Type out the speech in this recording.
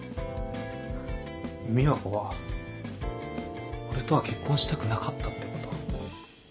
美和子は俺とは結婚したくなかったってこと？